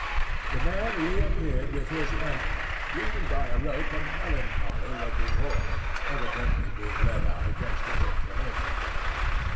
The man reappeared with his lantern, leading by a rope a melancholy looking horse, evidently being led out against his inclination.